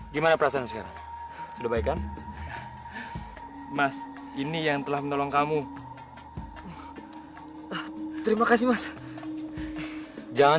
gimana perasaan sekarang sudah baik kan mas ini yang telah menolong kamu terima kasih mas jangan